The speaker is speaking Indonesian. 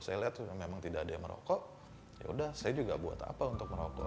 saya lihat memang tidak ada yang merokok ya udah saya juga buat apa untuk merokok